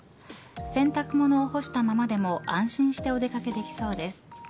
洗濯物を干したままでも安心してお出掛けできそうです。